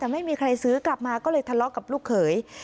แต่ไม่มีใครซื้อกลับมาก็เลยทะเลาะกับลูกเขย